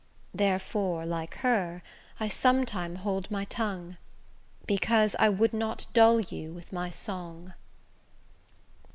Therefore like her, I sometime hold my tongue: Because I would not dull you with my song.